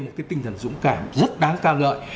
một cái tinh thần dũng cảm rất đáng ca ngợi